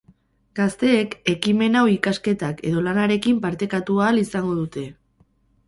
Gazteek, ekimen hau ikasketak edo lanarekin partekatu ahal izango dute.